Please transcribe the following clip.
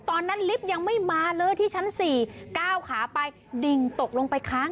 ตอนนั้นลิฟท์ยังไม่มาเลยที่ชั้นสี่เก้าขาไปดิ่งตกลงไปค้าง